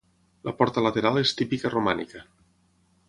La porta lateral és típica romànica.